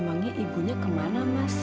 memangnya ibunya kemana mas